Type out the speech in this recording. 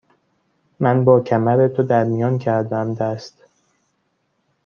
من باکمر تو در میان کردم دست